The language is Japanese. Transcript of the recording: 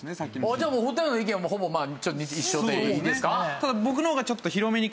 じゃあもう２人の意見はほぼ一緒でいいですか？